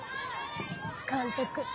監督